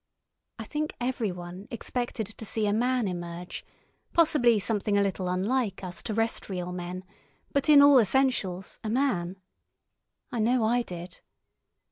I think everyone expected to see a man emerge—possibly something a little unlike us terrestrial men, but in all essentials a man. I know I did.